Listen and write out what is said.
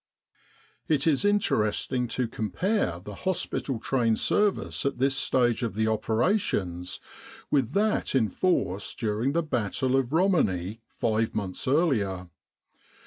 It is interesting to compare the hospital train service at this stage of the operations with that in force during the battle of Roman i five months earlier.